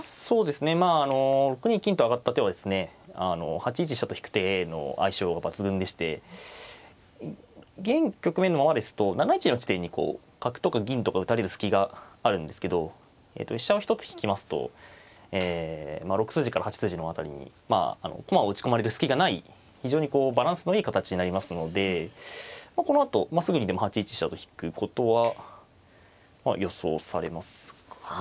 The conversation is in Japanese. ８一飛車と引く手の相性が抜群でして現局面のままですと７一の地点にこう角とか銀とか打たれる隙があるんですけど飛車を一つ引きますとえ６筋から８筋の辺りに駒を打ち込まれる隙がない非常にこうバランスのいい形になりますのでこのあとすぐにでも８一飛車と引くことは予想されますかね。